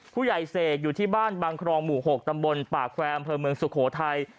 ผู้ใหญ่เสกอยู่ที่บ้านบางครองหมู่๖ตำบลป่าแควมเผอร์เมืองสุโขทัย